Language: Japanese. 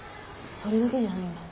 それだけじゃないんだ。